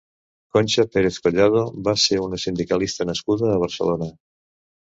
Conxa Pérez Collado va ser una sindicalista nascuda a Barcelona.